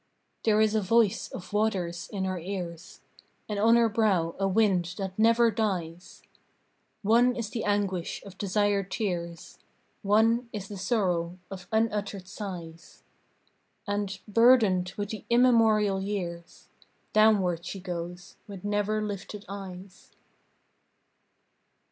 There is a voice of waters in her ears, And on her brow a wind that never dies: One is the anguish of desired tears; One is the sorrow of unuttered sighs; And, burdened with the immemorial years, Downward she goes with never lifted eyes.